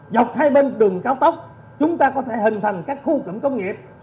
dọc hai bên đường cao tốc chúng ta có thể hình thành các khu cụm công nghiệp